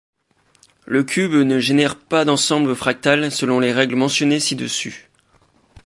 Le cube ne génère pas d'ensemble fractal selon les règles mentionnées ci-dessus.